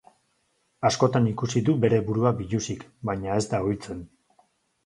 Askotan ikusi du bere burua biluzik, baina ez da ohitzen.